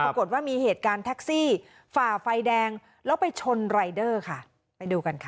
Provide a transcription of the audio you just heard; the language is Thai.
ปรากฏว่ามีเหตุการณ์แท็กซี่ฝ่าไฟแดงแล้วไปชนรายเดอร์ค่ะไปดูกันค่ะ